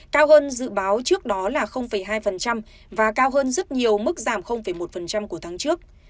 cao hơn dự báo trước đó là hai và cao hơn rất nhiều mức giảm một của tháng trước